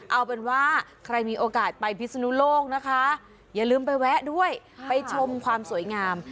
เอาเป็นว่าใครมีโอกาสไปพิศนุโลกนะคะอย่าลืมไปแวะด้วยไปชมความสวยงาม